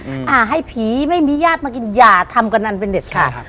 อืมอ่าให้ผีไม่มีญาติมากินอย่าทำกันอันเป็นเด็ดค่ะใช่ครับ